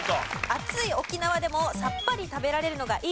暑い沖縄でもさっぱり食べられるのがいい。